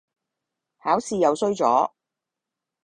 考試又衰咗